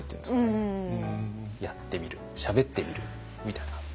やってみるしゃべってみるみたいな。